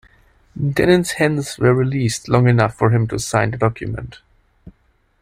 Dennin's hands were released long enough for him to sign the document.